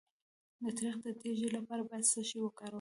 د تریخي د تیږې لپاره باید څه شی وکاروم؟